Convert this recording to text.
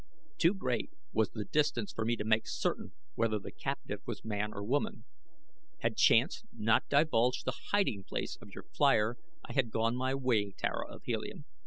Too great was the distance for me to make certain whether the captive was man or woman. Had chance not divulged the hiding place of your flier I had gone my way, Tara of Helium.